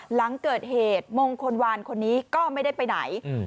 หลังเกิดเหตุมงคลวานคนนี้ก็ไม่ได้ไปไหน